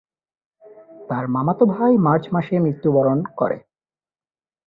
তার মামাতো ভাই মার্চ মাসে মৃত্যুবরণ করে।